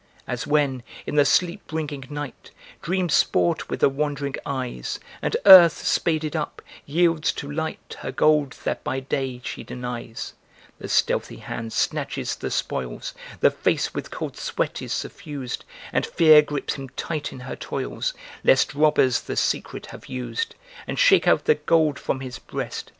As when, in the sleep bringing night Dreams sport with the wandering eyes, And earth, spaded up, yields to light Her gold that by day she denies, The stealthy hand snatches the spoils; The face with cold sweat is suffused And Fear grips him tight in her toils Lest robbers the secret have used And shake out the gold from his breast.